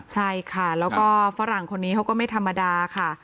ใช่ค่ะแล้วก็ฝรั่งคนนี้เขาก็ไม่ธรรมดาค่ะ